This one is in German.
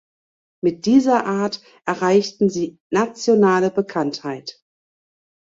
Mit dieser Art erreichten sie nationale Bekanntheit.